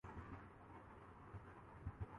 لیکن ایک عام مزدور جو صبح چوک